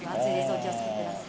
お気をつけてください